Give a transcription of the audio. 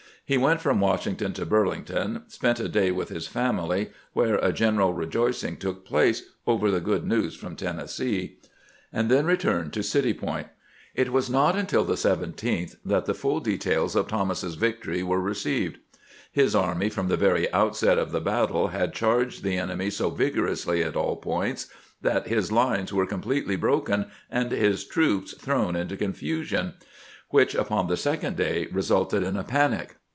He went from Wash ington to Burlington, spent a day with his family, where a general rejoicing took place over the good news from Tennessee, and then returned to City Point, It was not until the 17th that the full details of Thomas's victory were received. His army from the very outset of the battle had charged the enemy so vigorously at all points that his lines were completely broken and his troops thrown into confusion, which, upon the second day, resulted in a panic.